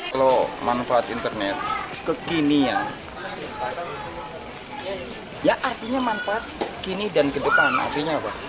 kalau manfaat internet kekinian ya artinya manfaat kini dan ke depan artinya apa